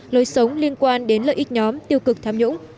lối sống liên quan đến lợi ích nhóm tiêu cực tham nhũng